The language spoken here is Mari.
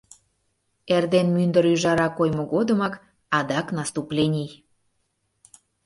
Эрден мӱндыр ӱжара коймо годымак – адак наступлений.